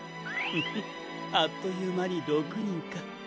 フフあっというまに６にんか。